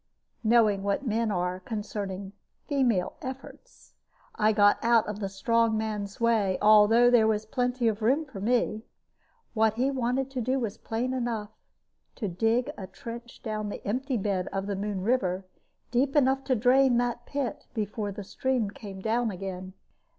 Knowing what men are concerning "female efforts," I got out of the strong man's way, although there was plenty of room for me. What he wanted to do was plain enough to dig a trench down the empty bed of the Moon River, deep enough to drain that pit before the stream came down again.